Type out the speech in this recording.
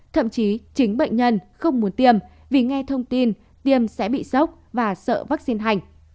thậm chí chính bệnh nhân không muốn tiêm vì nghe thông tin tiêm sẽ bị sốc và sợ vaccine hành